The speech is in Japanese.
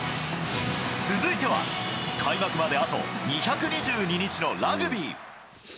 続いては、開幕まであと２２２日のラグビー。